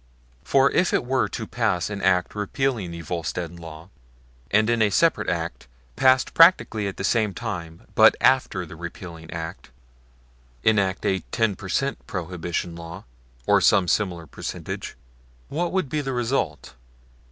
For if it were to pass an act repealing the Volstead law, and in a separate act, passed practically at the same time but after the repealing act, enact a ten per cent. prohibition law (or some similar percentage) what would be the result?